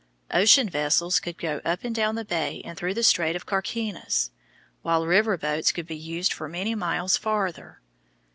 Ocean vessels could go up the bay and through the Strait of Carquinez, while river boats could be used for many miles farther.